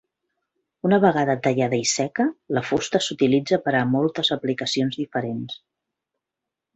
Una vegada tallada i seca, la fusta s'utilitza per a moltes aplicacions diferents.